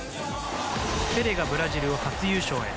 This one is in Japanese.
ペレがブラジルを初優勝へ。